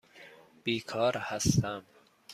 بیکار هستم.